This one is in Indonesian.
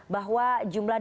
bahwa jumlah dokternya